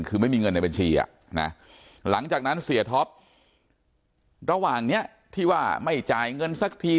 คือไม่มีเงินในบัญชีอ่ะนะหลังจากนั้นเสียท็อประหว่างนี้ที่ว่าไม่จ่ายเงินสักที